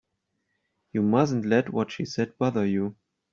You mustn't let what she said bother you.